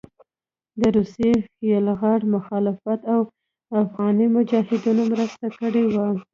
د روسي يلغار مخالفت او افغاني مجاهدينو مرسته کړې وه